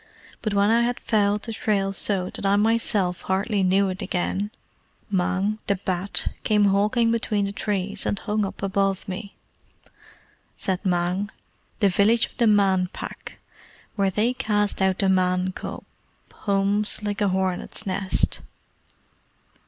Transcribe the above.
But when I had fouled the trail so that I myself hardly knew it again, Mang, the Bat, came hawking between the trees, and hung up above me." Said Mang, "The village of the Man Pack, where they cast out the Man cub, hums like a hornet's nest."